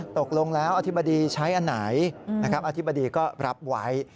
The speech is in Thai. ตกลงแล้วอธิบดีใช้อันไหนอธิบดีก็รับไว้